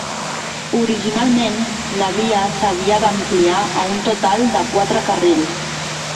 Originalment, la via s'havia d'ampliar a un total de quatre carrils.